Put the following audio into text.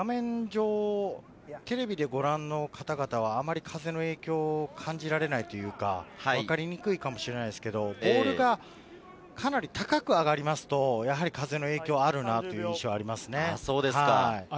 テレビでご覧の方々はあまり風の影響を感じられないというか、分かりにくいかもしれませんが、ボールがかなり高く上がりますと、風の影響があるなという印象ですね。